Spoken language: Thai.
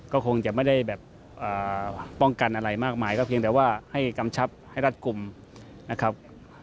ก็คงจะไม่ได้แบบป้องกันอะไรมากมายก็เพียงแต่ว่าให้กำชับให้รัดกลุ่มนะครับ